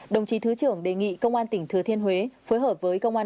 đồng chí thứ trưởng đề nghị công an tỉnh thừa thiên huế phối hợp với công an